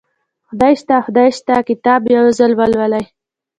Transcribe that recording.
خدای شته خدای شته کتاب یو ځل ولولئ